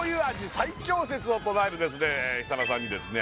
最強説を唱える設楽さんにですね